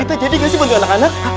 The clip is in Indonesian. kita jadi gak sih bangga anak anak